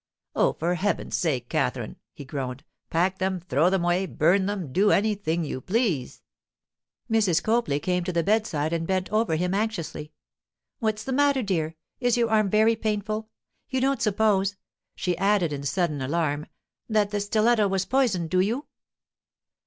'Oh, for heaven's sake! Katherine,' he groaned, 'pack them, throw them away, burn them, do anything you please.' Mrs. Copley came to the bedside and bent over him anxiously. 'What's the matter, dear? Is your arm very painful? You don't suppose,' she added in sudden alarm, that the stiletto was poisoned, do you?